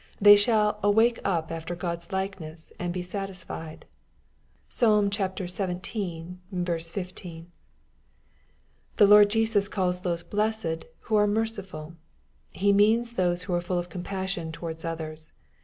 They shall " awake up after God's likeness and be satisfied." (Psal. xvii. 15.) The Lord Jesus calls those blessed, who are merciful. He means those who are full of compassion towards others.